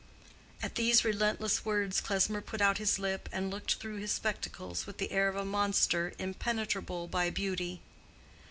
At these relentless words Klesmer put out his lip and looked through his spectacles with the air of a monster impenetrable by beauty.